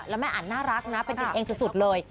แล้วแม่อันน่ารักนะเป็นกันเองสุดเลย